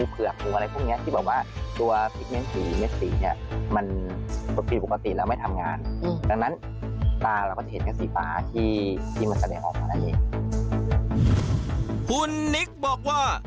คุณนิกบอกว่า